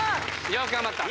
よく頑張った。